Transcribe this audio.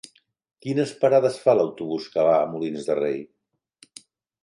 Quines parades fa l'autobús que va a Molins de Rei?